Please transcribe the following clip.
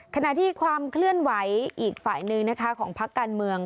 ขณะที่ความเคลื่อนไหวอีกฝ่ายหนึ่งนะคะของพักการเมือง